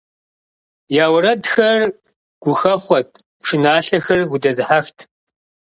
Я уэрэдхэр гухэхъуэт, пшыналъэхэр удэзыхьэхт.